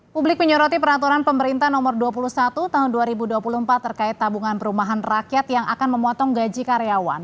publik menyoroti peraturan pemerintah nomor dua puluh satu tahun dua ribu dua puluh empat terkait tabungan perumahan rakyat yang akan memotong gaji karyawan